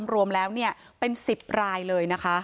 รวมแล้วเป็น๑๐รายเลยนะคะ